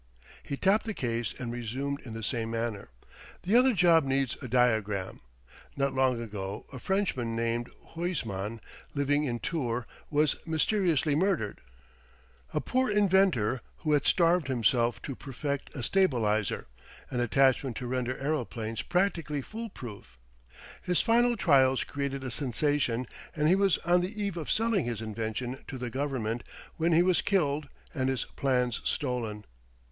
He tapped the case and resumed in the same manner: "The other job needs a diagram: Not long ago a Frenchman named Huysman, living in Tours, was mysteriously murdered a poor inventor, who had starved himself to perfect a stabilizator, an attachment to render aeroplanes practically fool proof. His final trials created a sensation and he was on the eve of selling his invention to the Government when he was killed and his plans stolen.